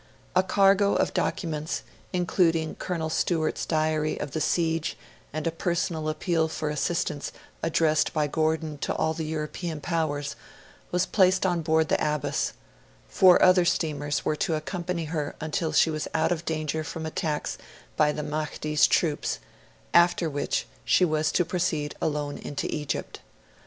A cargo of documents, including Colonel Stewart's Diary of the siege and a personal appeal for assistance addressed by Gordon to all the European powers, was placed on board the Abbas; four other steamers were to accompany her until she was out of danger from attacks by the Mahdi's troops; after which, she was to proceed alone into Egypt.